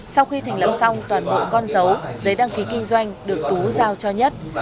sau khi thành lập xong toàn bộ con dấu giấy đăng ký kinh doanh được tú giao cho nhất